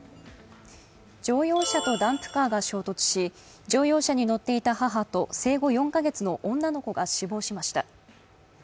乗用車とダンプカーが衝突し、乗用車に乗っていた母と生後４か月の女の子が死亡しました。